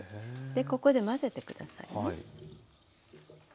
でここで混ぜて下さいね。